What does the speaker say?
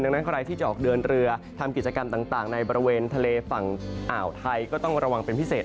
ดังนั้นใครที่จะออกเดินเรือทำกิจกรรมต่างในบริเวณทะเลฝั่งอ่าวไทยก็ต้องระวังเป็นพิเศษ